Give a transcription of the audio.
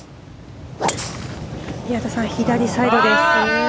宮田さん左サイドです。